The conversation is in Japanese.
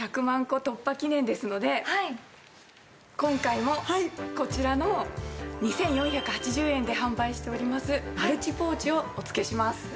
１００万個突破記念ですので今回もこちらの２４８０円で販売しておりますマルチポーチをお付けします。